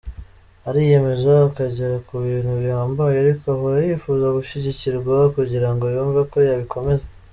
Ariyemeza akagera ku bintu bihambaye ariko ahora yifuza gushyigikirwa kugira ngo yumve ko yabikomeza.